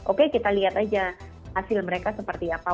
oke kita lihat aja hasil mereka seperti apa